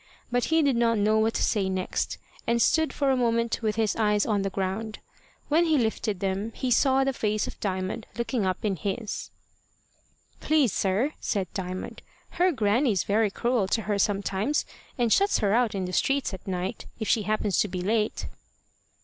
But he did not know what to say next, and stood for a moment with his eyes on the ground. When he lifted them, he saw the face of Diamond looking up in his. "Please, sir," said Diamond, "her grannie's very cruel to her sometimes, and shuts her out in the streets at night, if she happens to be late."